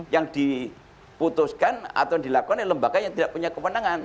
yang diputuskan atau dilakukan oleh lembaga yang tidak punya kewenangan